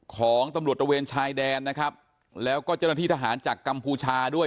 ของตำรวจตระเวนชายแดนนะครับแล้วก็เจ้าหน้าที่ทหารจากกัมพูชาด้วย